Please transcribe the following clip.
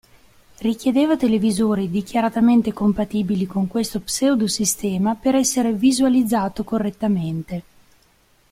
Richiedeva televisori dichiaratamente compatibili con questo pseudo-sistema per essere visualizzato correttamente.